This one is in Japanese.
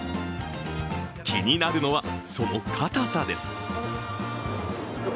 気になるのは、その硬さです。